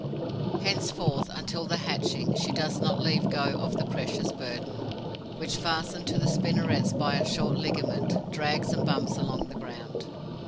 Henceforth, until the hatching, she does not leave go of the precious burden, which, fastened to the spinnerets by a short ligament, drags and bumps along the ground.